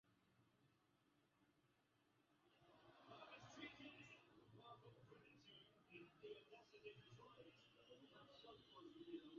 wapenzi wa jinsia moja wapigwa picha nchini Kenya